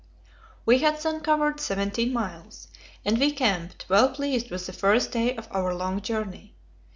We had then covered seventeen miles, and we camped, well pleased with the first day of our long journey.